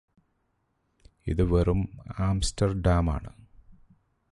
ഇത് വെറും ആംസ്റ്റർഡാമാണ്